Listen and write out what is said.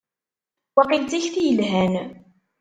Waqil d tikti yelhan.